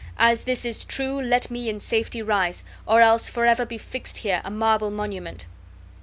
As this is true let me in safety rise, or else forever be fixed here a marble monument."